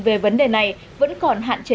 về vấn đề này vẫn còn hạn chế